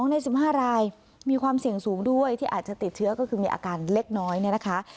ใน๑๕รายมีความเสี่ยงสูงด้วยที่อาจจะติดเชื้อก็คือมีอาการเล็กน้อยเนี่ยนะคะ